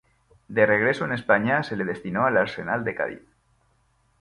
De regreso en España, se le destinó al Arsenal de Cádiz.